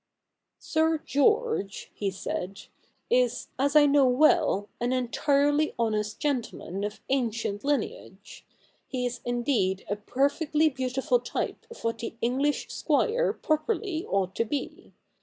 ' Sir George,' he said, ' is, as I know well, an entirely honest gentleman of ancient lineage. He is indeed a perfectly beautiful type of what the English Squire pro perly ought to be.